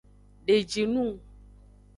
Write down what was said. Deji nung.